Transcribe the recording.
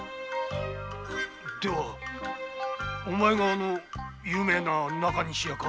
ではお前があの有名な中西屋か？